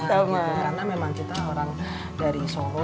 karena memang kita orang dari solo